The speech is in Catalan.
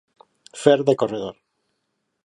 Fer de corredor.